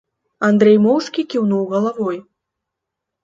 Андрэй моўчкі кіўнуў галавой.